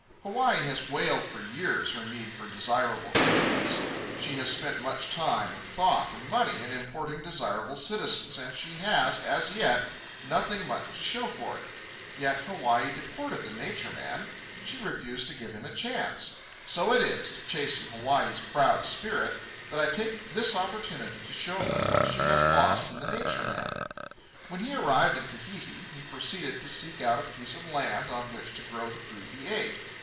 Hawaii has wailed for years her need for desirable immigrants. She has spent much time, and thought, and money, in importing desirable citizens, and she has, as yet, nothing much to show for it. Yet Hawaii deported the Nature Man. She refused to give him a chance. So it is, to chasten Hawaii's proud spirit, that I take this opportunity to show her what she has lost in the Nature Man. When he arrived in Tahiti, he proceeded to seek out a piece of land on which to grow the food he ate.